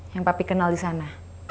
yang papi kenal disana